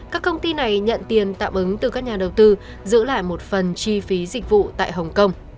các công ty này nhận tiền tạm ứng từ các nhà đầu tư giữ lại một phần chi phí dịch vụ tại hồng kông